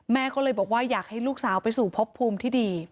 แม่ก็เลยบอกว่าอยากให้ลูกสาวไปสู่พบภูมิที่ดี